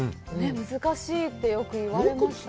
難しいってよく言われますよね。